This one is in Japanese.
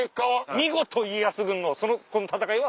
見事家康軍のこの戦いは。